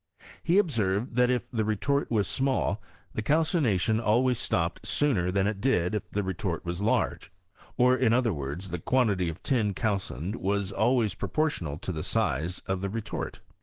He observed, that if the re tort was small, the calcination always stopped sooner than it did if the retort was lai^. Or, in otiier words, the quantity of tin calcined was always pro portional to the size of the retort.